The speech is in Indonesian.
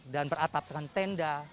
dan beratapkan tenda